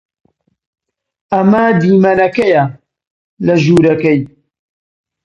ئەمە دیمەنەکەیە لە ژوورەکەی.